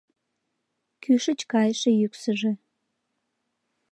Кӱшыч кайыше йӱксыжӧ